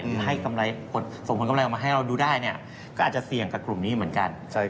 คือให้ส่งผลกำไรออกมาให้เราดูได้เนี่ยก็อาจจะเสี่ยงกับกลุ่มนี้เหมือนกัน